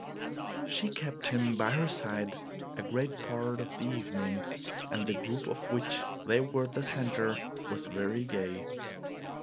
She kept him by her side a great part of the evening, and the group of which they were the center was very gay.